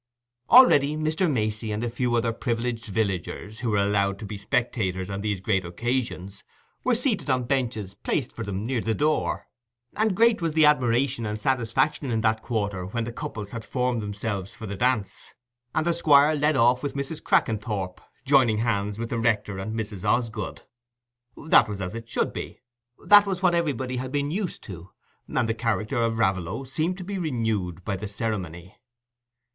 Already Mr. Macey and a few other privileged villagers, who were allowed to be spectators on these great occasions, were seated on benches placed for them near the door; and great was the admiration and satisfaction in that quarter when the couples had formed themselves for the dance, and the Squire led off with Mrs. Crackenthorp, joining hands with the rector and Mrs. Osgood. That was as it should be—that was what everybody had been used to—and the charter of Raveloe seemed to be renewed by the ceremony.